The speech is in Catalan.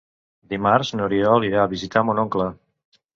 Dimarts n'Oriol irà a visitar mon oncle.